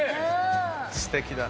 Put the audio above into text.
すてきだね。